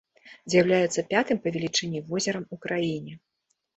З'яўляецца пятым па велічыні возерам у краіне.